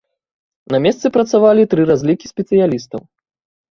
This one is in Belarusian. На месцы працавалі тры разлікі спецыялістаў.